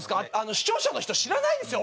視聴者の人知らないんですよ